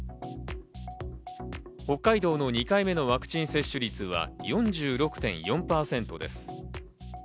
北海道の２回目のワクチン接種率は４６．４％です。